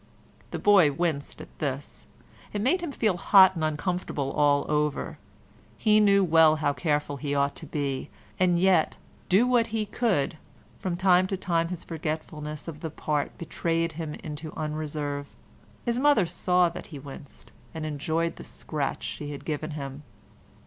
The boy winced at this. It made him feel hot and uncomfortable all over. He knew well how careful he ought to be, and yet, do what he could, from time to time his forgetfulness of the part betrayed him into unreserve. His mother saw that he winced, and enjoyed the scratch she had given him.